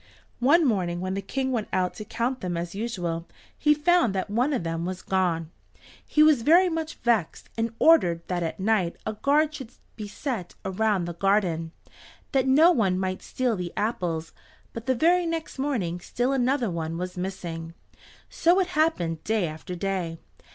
One morning, when the King went out to count them as usual he found that one of them was gone. He was very much vexed, and ordered that at night a guard should be set around the garden, that no one might steal the apples, but the very next morning still another one was missing. So it happened day after day.